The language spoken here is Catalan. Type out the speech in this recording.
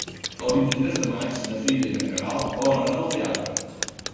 El vint-i-tres de maig na Frida i na Queralt volen anar al teatre.